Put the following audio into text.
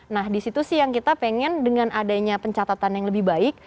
nah disitu sih yang kita pengen dengan adanya pencatatan yang lebih baik